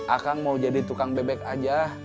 akang mau jadi tukang bebek aja